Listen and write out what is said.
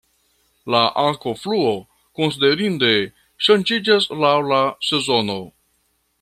La akvofluo konsiderinde ŝanĝiĝas laŭ la sezono.